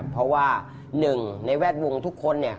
เพราะว่าหนึ่งในแวดวงทุกคน